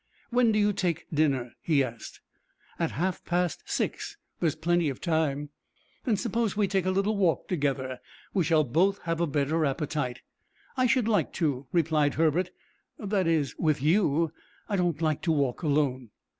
"When do you take dinner?" he asked. "At half past six. There is plenty of time." "Then suppose we take a little walk together. We shall both have a better appetite." "I should like to," replied Herbert; "that is, with you. I don't like to walk alone."